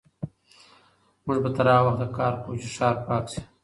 موږ به تر هغه وخته کار کوو چې ښار پاک شي.